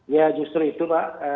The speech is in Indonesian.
ya justru itu pak